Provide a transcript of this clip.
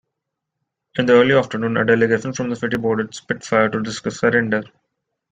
In the early afternoon, a delegation from the city boarded "Spitfire" to discuss surrender.